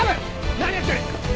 何やってる！